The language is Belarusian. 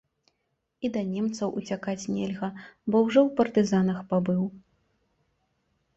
І да немцаў уцякаць нельга, бо ўжо ў партызанах пабыў.